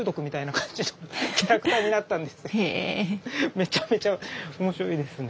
めちゃめちゃ面白いですね